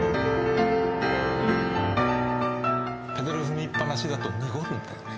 ペダル踏みっ放しだと濁るんだよね。